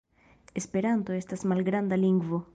Esperanto estas malgranda lingvo.